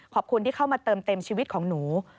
ขอบคุณที่เข้ามาเติมเต็มชีวิตของหนู